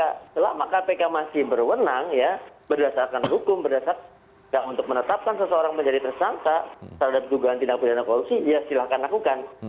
ya selama kpk masih berwenang ya berdasarkan hukum berdasarkan untuk menetapkan seseorang menjadi tersangka terhadap dugaan tindak pidana korupsi ya silahkan lakukan